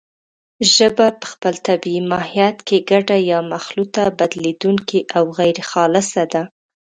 ژبه په خپل طبیعي ماهیت کې ګډه یا مخلوطه، بدلېدونکې او غیرخالصه ده